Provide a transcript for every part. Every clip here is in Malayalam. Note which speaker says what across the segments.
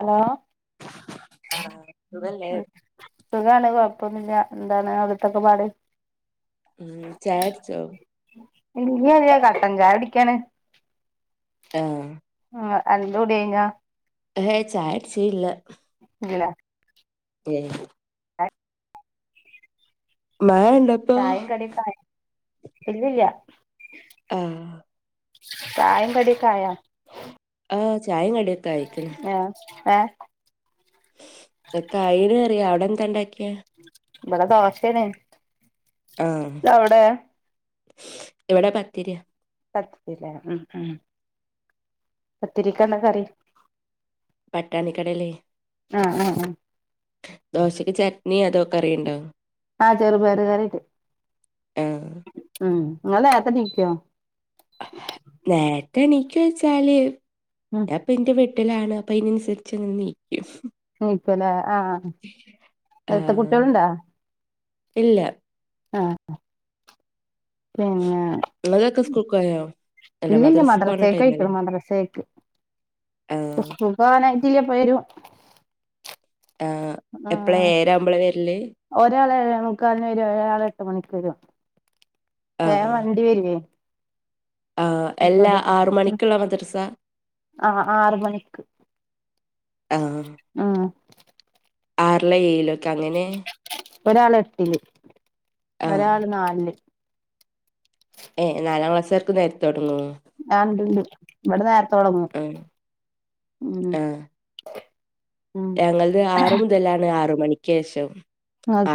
Speaker 1: ഹലോ
Speaker 2: ആഹ് സുഖല്ലേ
Speaker 1: സുഖാണ് കുഴപ്പൊന്നുല്ല എന്താണ് അവിടുത്തൊക്കെ പാട്
Speaker 2: ഉം ചായൊട്ചോ?
Speaker 1: ഇല്യല്ല കട്ടൻചായ കുടികാണ്
Speaker 2: ആഹ്
Speaker 1: [unintelligible]
Speaker 2: ഹഏയ് ചായടിച്ചീല്ല
Speaker 1: ഇല്ല
Speaker 2: ഏയ് മഴ ണ്ടോ
Speaker 1: ചായിം കടിഒക്കെആയി ഇല്ലില്ല
Speaker 2: ആഹ്
Speaker 1: ചായിം കടി ഒക്കെ ആയോ
Speaker 2: ആ ചായയും കടിയ -
Speaker 1: ആഹ് ആഹ്
Speaker 2: എത്താ അയിന അറിയ അവിടെ എന്താണ്ടാക്കിയാ
Speaker 1: ബടെ ദോശാണ്
Speaker 2: ആഹ്
Speaker 1: അവിടെ
Speaker 2: ഇവിടെ പത്തിരിയാ
Speaker 1: സത്ത്തില്ല ഉ ഉ പത്തിരികെന്താ കറി
Speaker 2: പട്ടാണിക്കടല്ലേ
Speaker 1: ആഹ് ആഹ് അ
Speaker 2: ദോശക്ക് ചട്നി അതൊക്കെ അറിയണ്ടോ
Speaker 1: ആഹ് ചെറുപയറ് കറിണ്ട്
Speaker 2: ആഹ്
Speaker 1: ഉം നിങ്ങൾ നേരത്തെ നീക്കോ
Speaker 2: നേരത്തെ എണീക്കൊ വച്ചാല്
Speaker 1: മ്
Speaker 2: ഇപ്പൊന്റെ വീട്ടിലാണ് അപ്പ അയിനനുസരിച്ച് അങ്ങനെ നീക്കും
Speaker 1: നിക്കല്ലേ ആഹ് നേരത്തെ
Speaker 2: ആഹ്
Speaker 1: കുട്ടികളുണ്ടാ
Speaker 2: ഇല്ല
Speaker 1: ആഹ് പിന്നെ
Speaker 2: ങ്ങൾതൊക്കെ സ്ക്കൂൾ കോയോ
Speaker 1: ഇല്ലില്ല മദ്രസേക്ക് പൊയ്റ്റൊള്ളു മദ്രസേക്ക്.
Speaker 2: ആഹ്
Speaker 1: സ്ക്കൂ - വാനായിട്ടില്ല ഇപ്പൊ വരും
Speaker 2: ഏഹ് എപ്പളാ
Speaker 1: ആഹ്
Speaker 2: ഏഴരാവുമ്പളാ വരല്
Speaker 1: ഒരാള് ഏഴേ മുക്കാല്ന് വരും ഒരാള് എട്ട് മണിക്ക് വരും വേം
Speaker 2: ആഹ്
Speaker 1: വണ്ടിവരേ
Speaker 2: ആഹ് അല്ലാ ആറ് മണിക്ക്ള്ള മദ്റസാ?
Speaker 1: ആഹ് ആറ് മണിക്ക്
Speaker 2: ആഹ്
Speaker 1: ആഹ്
Speaker 2: ആറ്ലൊ ഏഴ്ലൊ ക്കങ്ങനെ
Speaker 1: ഒരാള് എട്ട്ല്
Speaker 2: ആഹ്
Speaker 1: ഒരാള് നാല്ൽ
Speaker 2: ഏഹ് നാലാം ക്ലാസ്സാര്ക്കും നേരത്തെ തൊടങ്ങോ
Speaker 1: ആഹ് ഇണ്ട്ണ്ട് ഇവടെ നേരത്തെ തൊടങ്ങും
Speaker 2: ആഹ്
Speaker 1: ഉം ഉം
Speaker 2: ഞങ്ങള്ത് ആറ് മുതലാണ് ആറ് മണിക്കേഷം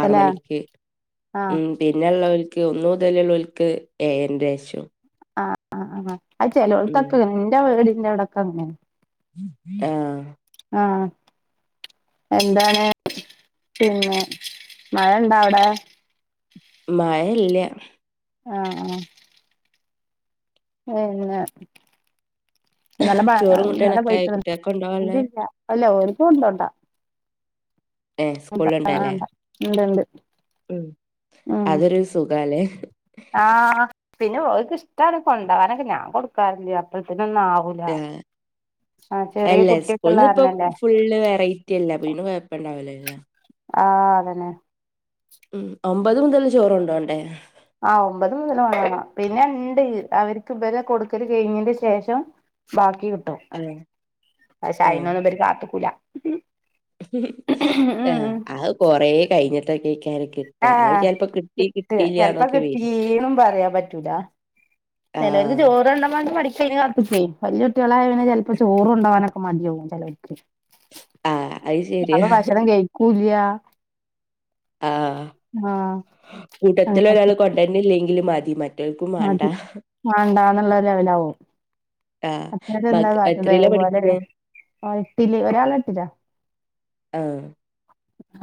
Speaker 2: ആറ് മണിക്ക്
Speaker 1: ആഹ്
Speaker 2: ഉം പിന്നെള്ളോല്ക്ക് ഒന്നു മുതലുള്ളോല്ക്ക് ഏഴരന്റെഷം
Speaker 1: ആഹ് ആഹ് ആഹ്
Speaker 2: ഉം
Speaker 1: ചെലൊട്ത്തൊക്കതെ ഇന്റെ വീടിന്റെ അവടൊക്കെ അങ്ങനാണ്
Speaker 2: ആഹ്
Speaker 1: ആഹ് എന്താണ് പിന്നെ മഴ ഇണ്ടോ അവടെ
Speaker 2: മഴല്ല്യ
Speaker 1: ആഹ് ആഹ് പിന്നെ ഇന്നലെ ഭ
Speaker 2: ചോറും
Speaker 1: ഇന്നലെ
Speaker 2: കൂട്ടാനൊക്കെ ആയി
Speaker 1: പോയ്ക്ക്ണ്
Speaker 2: കുട്ടികൾക്ക് കൊണ്ടോവാൻള്ളെ
Speaker 1: [unintelligible] അല്ല ഓല്ക്ക് കൊണ്ടോണ്ട
Speaker 2: ഏഹ്
Speaker 1: ഇല്ല അത്
Speaker 2: സ്കൂളിലുണ്ടല്ലേ
Speaker 1: വാണ്ട ഇണ്ട്ണ്ട്
Speaker 2: ഉം അതൊരു സുഖാലേ?
Speaker 1: ആഹ് പിന്നോല്ക്ക് ഇഷ്ട്ടാണ് കൊണ്ടകാനൊക്കെ ഞാൻ കൊട്ക്കാറില്ല അപ്പഴ്ത്ത്നൊന്നും ആവൂ
Speaker 2: ഏഹ് അല്ല
Speaker 1: കുട്ടിയൊക്കെ ഉള്ള
Speaker 2: സ്കൂള്ന്ന്പ്പൊ
Speaker 1: കാരണല്ലേ
Speaker 2: ഫുള്ള് വെറൈ റ്റില്ലേ പിന്നെ കൊയപ്പണ്ടാവുലല്ലോ
Speaker 1: ആഹ് അതെന്നെ
Speaker 2: മ്മ് ഒമ്പത് മുതല് ചോറ്ണ്ടോണ്ടേ?
Speaker 1: ആഹ് ഒമ്പത് മുതല് വാണം പിന്നെണ്ട് അവര്ക്ക് ഇവരെ കൊട്ക്കല് കഴിഞ്ഞന്റെ ശേഷം ബാക്കി കിട്ടും
Speaker 2: ആഹ്
Speaker 1: പക്ഷെ അയ്നൊന്നും ഇബര് കാത്ത്ക്കൂല ഉം
Speaker 2: ആഹ് അത് കൊറേ കഴിഞ്ഞിട്ടൊക്കേക്കാരം കി
Speaker 1: ആഹ് കിട്ടാ ചെലപ്പോ
Speaker 2: വരും
Speaker 1: കിട്ടീന്നും പറയാ പറ്റൂല ചെലൊര്ക്ക്
Speaker 2: ആഹ്
Speaker 1: ചൊറ്ണ്ടവാനും മടി [unintelligible] പ്പീ വല്യുട്ട്യാളായ പിന്നെ ചെലപ്പോ ചോറോണ്ടാവാനൊക്കെ മടിയാവും ചെലൊല്ക്കെ
Speaker 2: ആഹ് അത് ശരിയാ
Speaker 1: അപ്പൊ ഭക്ഷണം കഴിക്കുല്ല്യാ
Speaker 2: ആഹ്
Speaker 1: ആഹ് അങ്ങനൊക്കെ
Speaker 2: കൂട്ടത്തിലൊരാള് കൊണ്ടര്നില്ലേങ്കി മതി മ
Speaker 1: മതി വണ്ടാന്ന്ള്ള ലെവലാവും
Speaker 2: ആഹ്
Speaker 1: മറ്റോലെന്താ
Speaker 2: മക്
Speaker 1: കാട്ട്ണെ
Speaker 2: എത്രയിലാ
Speaker 1: അത്പോലെ.
Speaker 2: പഠിക്ക്ണേ
Speaker 1: ആഹ് എട്ടില് ഒരാള് എട്ടിലാ
Speaker 2: ആഹ്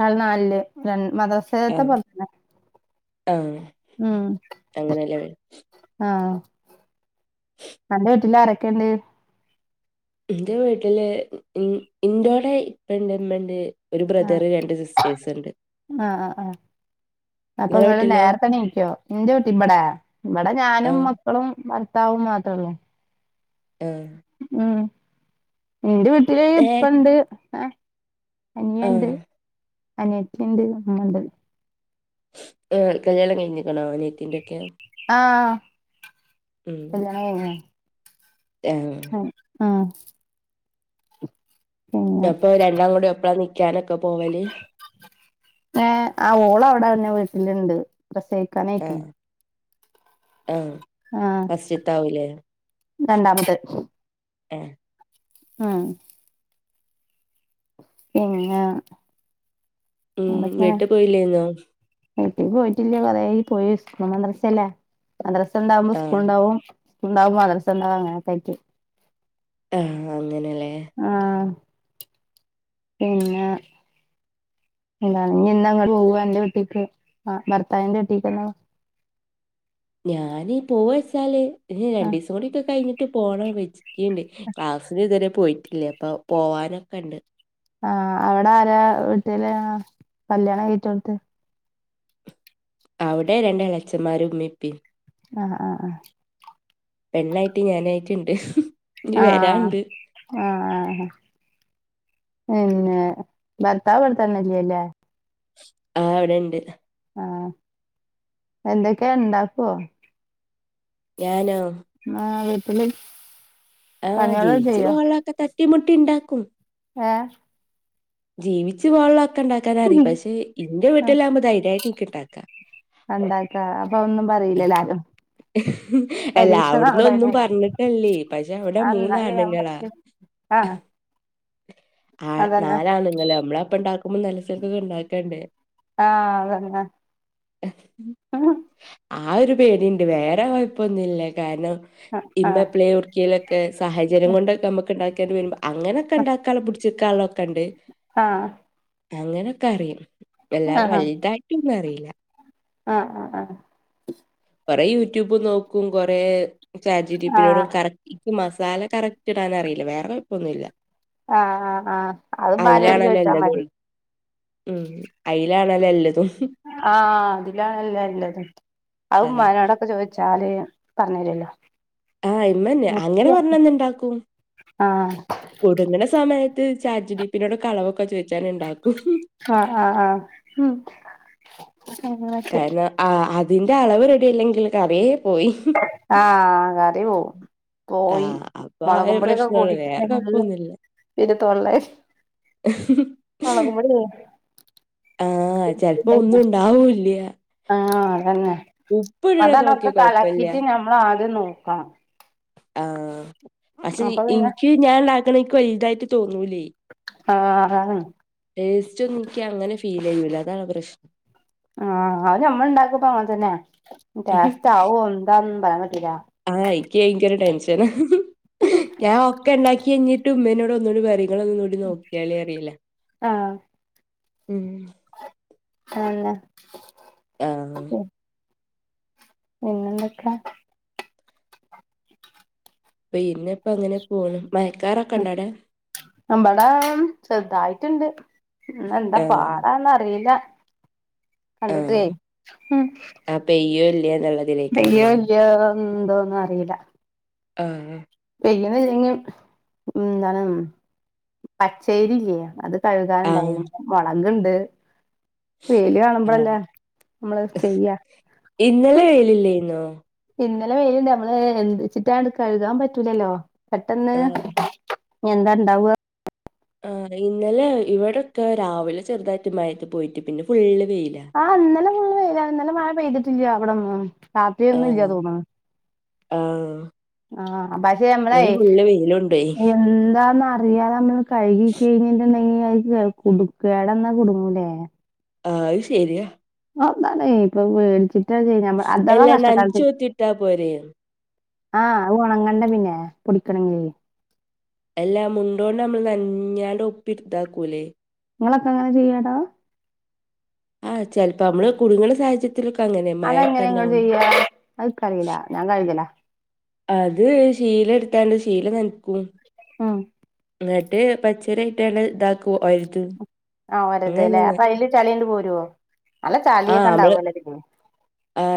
Speaker 1: ആള് നാൽല് രണ്
Speaker 2: ആഹ്
Speaker 1: മദറസേത്തെപോലെ തന്നെ
Speaker 2: ആഹ്
Speaker 1: ഉം
Speaker 2: അങ്ങനെല്ലേ
Speaker 1: ആഹ് അന്റെ വീട്ടിലാരൊക്കെണ്ട്?
Speaker 2: ഇന്റെ വീട്ടില് മ്മ് ഇന്റൊടെ ഇപ്പണ്ട്മ്മണ്ട് ഒരു
Speaker 1: ആഹ്
Speaker 2: ബ്രദറ് രണ്ട് സിസ് റ്റേയ്സ്ണ്ട്
Speaker 1: ആഹ് ആഹ് ആഹ് അപ്പൊങ്ങള്
Speaker 2: വീട്ടിലോ
Speaker 1: നേരത്തെണീക്കൊ ഇന്റെ വീട്ടീ ഇബടെ ഇവടെ ഞാനും
Speaker 2: ആഹ്
Speaker 1: മക്കളും ഭർത്താവും മാത്രൊള്ളൂ.
Speaker 2: ആഹ്
Speaker 1: ഉം ഇന്റെ വീട്ടില്
Speaker 2: ഏഹ്
Speaker 1: ഇപ്പണ്ട് ഏ അനിയണ്ട്
Speaker 2: ആഹ്
Speaker 1: അനിയത്തിണ്ട് ഇമ്മണ്ട്.
Speaker 2: എഹ് കല്യാണം കഴിഞ്ഞ്ക്ക്ണോ അനിയത്തിന്റൊക്കെ?
Speaker 1: ആഹ് കല്യാണംകഴിഞ്ഞ്ണ്
Speaker 2: ഏഹ്
Speaker 1: ആഹ് പിന്നെ
Speaker 2: അപ്പൊരണ്ടാംളുംകൂടി ഒപ്പാ നിക്കാനൊക്കെപോവല്?
Speaker 1: ആഹ് ആ ഓളഅവിടെന്നെവീട്ടില്ണ്ട് പ്രസവിക്കാനായ്ക്ക്ണ്
Speaker 2: ആഹ് ആഹ്
Speaker 1: ആഹ്
Speaker 2: ഫസ്സ്ത്താവൂലെ
Speaker 1: രണ്ടാമത്തെ
Speaker 2: എഹ്
Speaker 1: ആം പിന്നെ
Speaker 2: ഉം വീട്ടിപോയില്ലേന്നോ?
Speaker 1: വിട്ട്പോയിട്ടില്ലകൊറേ ആയിപോയി സ്കൂൾ മദ്രസ്സയല്ലേ
Speaker 2: ആഹ്
Speaker 1: മദ്രസ്സ്ണ്ടാവുമ്പോസ്കൂള്ണ്ടാവും സ്കൂള്ണ്ടാവും മദ്രസ്സ്ണ്ടാവും അങ്ങനോക്കെയിരിക്കും
Speaker 2: അങ്ങനെല്ലേ?
Speaker 1: ആഹ് ഏയ് എന്താണ് ഞ്എന്നഅങ്ങെട്ട്പോവാ അന്റെവീട്ട്ക്ക് ആ ഭർത്താവിന്റെ വട്ടീക്ക്ന്നാ
Speaker 2: ഞാന് പോവാച്ചാല് ഇനി
Speaker 1: ആഹ്
Speaker 2: രണ്ടിസംകൂടിയൊക്കെ കഴിഞ്ഞിട്ട് പോണം വിജാ [unintelligible] ക്ലാസ്സിന്ഇതുവരെ പോയിട്ടില്ല പം പോവാനൊക്കണ്ട്
Speaker 1: ആഹ ആടാരാ വീട്ടില് കല്യാണം കയിച്ചോട്ത്ത്?
Speaker 2: അവിടെ രണ്ട് എളച്ചമ്മാരും മ്മിം പ്പിം
Speaker 1: ആഹ ആഹ ആഹ
Speaker 2: പെണ്ണായിട്ട് ഞാനായിട്ടിണ്ട്
Speaker 1: ആഹ് ആഹ് ആഹ് പിന്നെ ഭർത്താവ് ഇവിടെ തന്നെയില്ലെല്ലേ
Speaker 2: ആഹ് ഇവിടെ ഇണ്ട്
Speaker 1: ആഹ് എന്തൊക്കെ ഉണ്ടാക്കോ
Speaker 2: ഞാനോ
Speaker 1: ആഹ് [unintelligible]
Speaker 2: ആഹ്
Speaker 1: പണികള്
Speaker 2: ജീവിച്ചു
Speaker 1: ചെയ്യോ
Speaker 2: പോവാള്ളൊക്കെ തട്ടിമുട്ടി ഇണ്ടാക്കും
Speaker 1: ഏഹ്
Speaker 2: ജീവിച്ച് പോകാള്ള ഒക്കെ ഉണ്ടാക്കാൻറിയ പക്ഷെ ഇന്റെ വീട്ടിലാവുമ്പോ ധൈര്യയിട്ട് ഇൻക്ക് ഇണ്ടാക്കാ
Speaker 1: ഒണ്ടാക്ക അപ്പൊ ഒന്നും പറയില്ലല്ലോ ലാരും
Speaker 2: അല്ല അവിടന്ന് ഒന്നും പറഞ്ഞിട്ടല്ലേ പക്ഷെ അവിടെ
Speaker 1: ആ എന്നാല് ഞാൻ
Speaker 2: മൂന്നാണുങ്ങളാണ്
Speaker 1: പഠിച്ച് ആഹ്
Speaker 2: ആ
Speaker 1: അതന്നെ
Speaker 2: നാലാണ്ങ്ങള് അമ്മള് അപ്പ ഇണ്ടാക്കുമ്പോ നല്ലച്ചേൽക്കൊക്കെ ഇണ്ടാക്കണ്ടേ
Speaker 1: ആഹ് [unintelligible]
Speaker 2: ആ ഒരു പേടിയുണ്ട് വേറെ കൊഴപ്പൊന്നുല്ല കാരണം
Speaker 1: ആഹ്
Speaker 2: ഇമ്മപ്ലേ ഒവ്ട്ക്കേലൊക്കെ സാഹചര്യം കൊണ്ട് നമുക്ക് ഉണ്ടാക്കേണ്ടി വരുമ്പോ അങ്ങനെയൊക്കെ ഉണ്ടാക്കാനുള്ള പിടിച്ചിക്കാള്ളക്കെ ഉണ്ട്
Speaker 1: ആഹ്
Speaker 2: അങ്ങനൊക്കെ അറിയും അല്ലാതെ വലുതായിട്ടൊന്നും അറിയില്ല
Speaker 1: ആഹ ആഹ് ആഹ്
Speaker 2: കൊറെ യൂട്യൂബ് നോക്കും കൊറേ
Speaker 1: ആഹ്
Speaker 2: ചാറ്റ്ജിറ്റിപ്പിനോട്‌ കറ ഇനിക്ക് മസാല കറക്റ്റ് ഇടാൻ അറിയില്ല വേറെ കുഴപ്പൊന്നുല്ല
Speaker 1: ആഹ് ആ് ആഹ് അതും ഇമ്മാരോട്
Speaker 2: അയിലാണല്ലോ
Speaker 1: ചോദിച്ചാ
Speaker 2: എല്ലതും
Speaker 1: മതി
Speaker 2: ഉം ആയിലാണല്ലോ എല്ലതും
Speaker 1: ആഹ് അതിലാണല്ലെ ഇള്ളത് അത്
Speaker 2: ആഹ്
Speaker 1: ഉമ്മാനോടൊക്കെ ചോയി ചാല് പറഞ്ഞരല്ലോ
Speaker 2: ആഹ് ഇമ്മന്നെ അങ്ങനെ പറഞ്ഞന്ന ഇണ്ടാക്കും
Speaker 1: ആഹ്
Speaker 2: കുടുങ്ങണ സമയത്ത് ചാജ് ഡിപ്പിനോട് കളവൊക്കെ ചോയി ഉണ്ടാക്കും
Speaker 1: ആഹ് ആഹ് ആഹ് ഉം അങ്ങനൊക്കെ
Speaker 2: തേങ്ങ ആഹ് അതിന്റെ അളവ് റെഡി അല്ലെങ്കിൽ കറിയേ പോയി
Speaker 1: ആഹ് കറി പോവും കോയി
Speaker 2: ആഹ് അപ്പൊ ആ ഒരു
Speaker 1: മൊളകുംപൊടിയൊക്കെ
Speaker 2: പ്രശ്നൊള്ളു
Speaker 1: കൂടിട്ട്
Speaker 2: വേറെ
Speaker 1: ഉണ്ടെങ്കിൽ
Speaker 2: കൊഴപ്പൊന്നുല്ല
Speaker 1: പിന്നെ തൊള്ളേല്
Speaker 2: [unintelligible]
Speaker 1: മൊളകും പൊടിയെ
Speaker 2: ആഹ് ചെലപ്പോ ഒന്നും ഉണ്ടാവൂല്ല്യ
Speaker 1: ആഹ് അതന്നെ അതാനൊക്കെ
Speaker 2: നോക്കിയ കൊഴപ്പല്ല
Speaker 1: കാലക്കിട്ട് ഞമ്മള് ആദ്യം നോക്കണം
Speaker 2: ആഹ് പക്ഷെ
Speaker 1: അപ്പൊ പിന്നെ
Speaker 2: ഇനിക്ക് ഞാൻ ഇണ്ടാക്കണെ ഇനിക്ക് വലുതായിട്ട് തോന്നൂലേ
Speaker 1: ആഹ് ആഹ്
Speaker 2: ടേസ്റ്റ് ഒന്നുംന്നിക്ക് അങ്ങനെ ഫീൽ ചെയ്യൂല അതാണ് പ്രശ്നം
Speaker 1: ആ, അത് നമ്മൾ ണ്ടാക്കുമ്പോ അങ്ങനെ തന്നെയാ ടേസ്റ്റ് ആവോ ന്താന്നൊന്നും പറയാൻ പറ്റൂല.
Speaker 2: ആ ഇൻകി ഭയങ്കര ടെൻഷനാ ഞാൻ ഒക്കെ ണ്ടാക്കി കഴഞ്ഞിട്ട് ഉമ്മേനോട് ഒന്നുകൂടി പറയും ങ്ങ ളൊന്നു ടി നോക്കിയാളി പറയല
Speaker 1: ആഹ്
Speaker 2: ഉം
Speaker 1: തന്നെ
Speaker 2: ആഹ്
Speaker 1: പിന്നെന്തൊക്കാ
Speaker 2: പിന്നെ ഇപ്പ അങ്ങനെ പോണ് മയക്കാറൊക്കെ ഉണ്ടൊ ആടെ
Speaker 1: ഇമ്പടെ ചെറുതായിട്ടുണ്ട് ഇന്ന്എന്താ
Speaker 2: ആഹ്
Speaker 1: പാടാന്ന അറീല
Speaker 2: ആഹ്
Speaker 1: കണ്ടിട്ടേയ് [unintelligible] ഉ
Speaker 2: ആഹ് പെയ്യോ ഇല്ലേ എന്നുള്ളതിലേക്കാരല്ലേ
Speaker 1: ണ്ടോന്നീല
Speaker 2: ആഹ്
Speaker 1: [unintelligible] എന്താണ് പച്ചേരില്ലെ അത്
Speaker 2: ആഹ്
Speaker 1: കഴുകാനുണ്ടായിരുന്നു മുളകുണ്ട് വെയില്
Speaker 2: ആഹ്
Speaker 1: കാണുമ്പല്ലേ മ്മള് ചെയ്യാ.
Speaker 2: ഇന്നലെ വെയ്യിലില്ലായിന്നോ
Speaker 1: ഇന്നലെ വെയിലുണ്ട് നമ്മള് എന്ന് വച്ചിട്ടാണ്ട് കഴുകാൻ പറ്റൂലല്ലോ പെട്ടെന്ന്.
Speaker 2: ആഹ്
Speaker 1: ഞിഎന്താണ്ടാവുക
Speaker 2: ആ ഇന്നലെ ഇവിടെൊക്കെ രാവിലെ ചെറുതായിട്ടു മയറ്റി പോയിട്ട് പിന്നെ ഫുള്ള് വെയില
Speaker 1: ആ ന്നലെ ഫുള്ള് വെയിലാ, ന്നലെ മഴ പെയ്തിട്ടില്ല വടൊന്നും താത്തിംഒന്നുംഇല്ല
Speaker 2: ആഹ്
Speaker 1: തോന്നുന്ന്
Speaker 2: ആഹ്
Speaker 1: ആ, പക്ഷെ നമ്മളെ
Speaker 2: ഇന്ന് ഫുള്ള് വെയിലുണ്ടേ
Speaker 1: എന്താന്ന അറിയാതെ നമ്മള് കഴുകി കഴിഞ്ഞിണ്ടെങ്കിൽ അ കേട് ടന്നാ കൊടുങ്ങൂല്ലേ
Speaker 2: ആഹ അത് ശരിയാ
Speaker 1: [unintelligible] ഇപ്പൊ മേടിച്ചിട്ടാ ചെയ്യമ്മ അതാവാ
Speaker 2: എല്ലാം നനച്ച്
Speaker 1: കഷ്ടക്കാലത്തിന്
Speaker 2: കുത്തിട്ടാ പോരെ
Speaker 1: ആ, അത് ഉണങ്ങണ്ടെ പിന്നെ പൊടിക്കണങ്കി.
Speaker 2: എഅല്ലാ മുണ്ടോണ്ട് നമ്മള് നനഞ്ഞാണ്ട് ഒപ്പി എടുത്താ ഒക്കുലേ
Speaker 1: ങ്ങളൊക്കെ അങ്ങനെ ചെയ്യാ ടോ
Speaker 2: ആ് ചിലപ്പോ മ്മള് കുടുങ്ങണ സാഹചര്യത്തിലൊക്കെങ്ങനെയ മഴൊക്കെ ണ്ടാവുമ്പം
Speaker 1: അത്ക്കറിയില്ല ഞാൻ കഴിഞ്ഞിലേ
Speaker 2: അത് ശീലെടുത്താണ്ട് ശീല നനക്കും
Speaker 1: ആഹ
Speaker 2: ന്നിട്ട് പച്ചരി ആയിട്ട് ഇതാക്കു [unintelligible]
Speaker 1: ആ ഒരതല്ലേ അപ്പൊ അയില് ചളിയിങ്ങിട്ട് പോരുവോ നല്ല ചളിയൊക്കെണ്ടാവുവല്ലേ
Speaker 2: ആ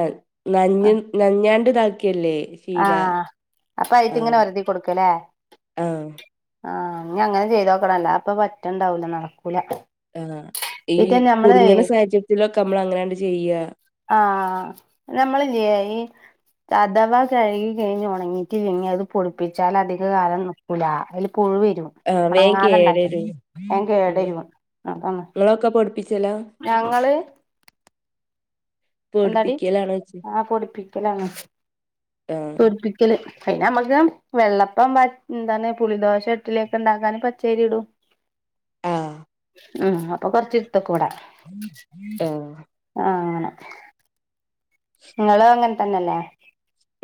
Speaker 2: നനഞ്ഞ്, നഞ്ഞാണ്ട്താക്കിയല്ലേ
Speaker 1: ആ, അപ്പൊ അതിട്ട്ങ്ങനെ ഒരതി കൊടുക്കല്ലേ.
Speaker 2: ആഹ്
Speaker 1: ആ, ഞി അങ്ങനെ ചെയ്തോക്കണം, അല്ലാതെ പ്പൊ പറ്റണ്ടാവൂല നടക്കൂല.
Speaker 2: ആ, ഈ
Speaker 1: പിന്നെ നമ്മള്
Speaker 2: കുട്ങ്ങ്ണ സാഹചര്യത്തിലൊക്കെ നമ്മൾ അങ്ങനാണ്ട് ചെയ്യാ.
Speaker 1: ആ, നമ്മളില്ല്യെ ഈ അഥവാ കഴുകി കഴിഞ്ഞ് ഉണങ്ങീട്ടില്ലെങ്ങി അത് പൊടിപ്പിച്ചാലധിക കാലം ന് ക്കൂലാ അയില് പുഴു വരും
Speaker 2: ആഹ് വേഗം
Speaker 1: ഉണങ്ങാതെണ്ടാക്കും
Speaker 2: കേടരും ഉം
Speaker 1: വേകേടരും അതാണ്
Speaker 2: നിങ്ങളൊക്കെ പൊടിപ്പിച്ചലാ
Speaker 1: ഞങ്ങള് [unintelligible] എന്താടി
Speaker 2: പൊടിപ്പിക്കലാണ് വെച്ച്
Speaker 1: ആ പൊടിപ്പിക്കലാണ്.
Speaker 2: ആഹ്
Speaker 1: അയിനമ്മക്ക് വെള്ളപ്പം എന്താണ് പുളിദോശ, ഇട്ട്ള്യളൊക്കെണ്ടാക്കാൻ പച്ചേരി ഇടും.
Speaker 2: അഹ്
Speaker 1: ആ അപ്പൊ കൊറച്ച്ട്ത്തെ ക്കുബടെ.
Speaker 2: അ്ആ
Speaker 1: അങ്ങനെ ങ്ങള് അങ്ങൻതന്നെല്ലേ.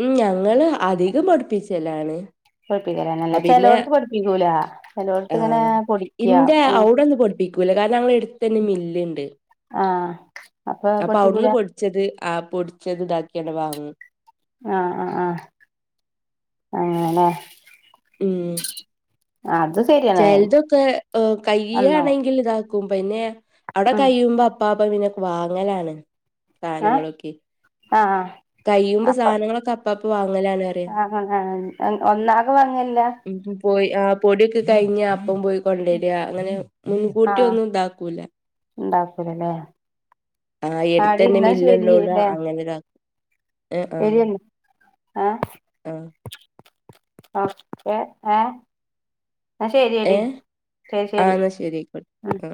Speaker 2: ം, ഞങ്ങള് അധികം പൊടിപ്പിച്ചലാണ്.
Speaker 1: പൊഠിപ്പിക്കലനല്ല
Speaker 2: ആഹ് പിന്നെ
Speaker 1: ചിലോടത്ത് പഠിപ്പിക്കൂല ചിലോടത്ത് ങ്ങനെ പൊടിക്യ.
Speaker 2: കൂല കാരണം ഞങ്ങളെ എട്തന്നെ മില്ല്ണ്ട്.
Speaker 1: ആഹ്
Speaker 2: അപ്പൊ അവിടുന്ന് പൊടിച്ചത് ആ പൊടിച്ചത് താക്കിയതനെ വാങ്ങും.
Speaker 1: ആ അആ, അങ്ങനെലെ.
Speaker 2: ം
Speaker 1: അത് ശര്യ.
Speaker 2: ചെലതൊക്കെ കയ്യാണെങ്കിൽ താക്കും. പിന്നെ അവിടെ
Speaker 1: ഉം
Speaker 2: കഴിയുമ്പോ [unintelligible] പാപ്പ പിന്നെ വാങ്ങലാണ് സാധനങ്ങളൊക്കെ.
Speaker 1: ആ ആ
Speaker 2: കയ്യുമ്പോ സാധനങ്ങളൊക്കെ അപ്പൊപ്പൊ വാങ്ങലാണ്. പറയാ
Speaker 1: ആ ഒന്നാകെ വാങ്ങൽല്ലാ?
Speaker 2: ഉം പോയി ആ പൊടിയൊക്കെ കഴിഞ്ഞ അപ്പൊ പോയി കൊണ്ടുവരാ അങ്ങനെ മുൻകൂട്ടി ഒന്നും താക്കൂല.
Speaker 1: ണ്ടാക്കൂലല്ലേ ആടി ന്നാ ശരില്ലേ.
Speaker 2: രാ [unintelligible]
Speaker 1: [unintelligible] ശെരിയെന്ന ആഹ്
Speaker 2: ആ
Speaker 1: അ എ ഏ ന്ന ശെരിയടി
Speaker 2: ഏ
Speaker 1: ശരി
Speaker 2: ആ
Speaker 1: ശരി.
Speaker 2: എന്നാ ആയിക്കോട്ടെ ആ